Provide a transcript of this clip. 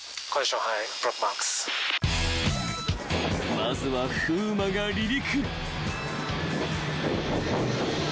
［まずは風磨が離陸］